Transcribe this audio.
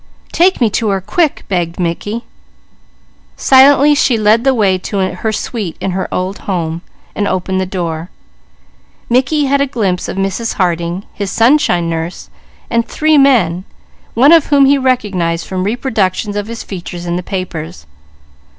"Take me to her quick!" begged Mickey. Silently she led the way to her suite in her old home, and opened the door. Mickey had a glimpse of Mrs. Harding, his Sunshine Nurse, and three men, one of whom he recognized from reproductions of his features in the papers.